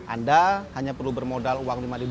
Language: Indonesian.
anda hanya perlu bermodal uang di mana